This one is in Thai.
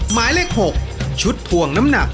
หมายเลข๖ชุดถ่วงน้ำหนัก